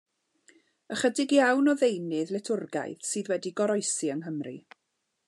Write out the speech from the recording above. Ychydig iawn o ddeunydd litwrgaidd sydd wedi goroesi yng Nghymru.